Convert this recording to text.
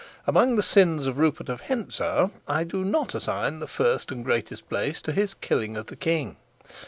Among the sins of Rupert of Hentzau I do not assign the first and greatest place to his killing of the king.